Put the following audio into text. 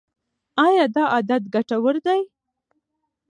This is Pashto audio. ایا دا عادت ګټور دی؟